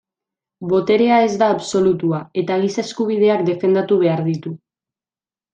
Boterea ez da absolutua eta giza eskubideak defendatu behar ditu.